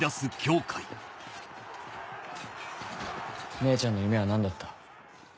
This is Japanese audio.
姉ちゃんの夢は何だった？